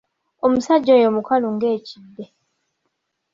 Omusajja oyo mukalu ng'ekide.